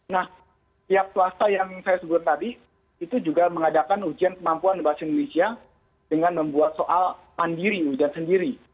nah tiap swasta yang saya sebut tadi itu juga mengadakan ujian kemampuan bahasa indonesia dengan membuat soal mandiri ujian sendiri